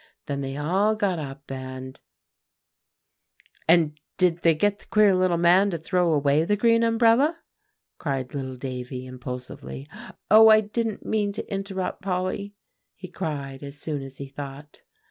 Then they all got up, and" "And did they get the queer little man to throw away the green umbrella?" cried little Davie impulsively. "Oh! I didn't mean to interrupt, Polly," he cried as soon as he thought.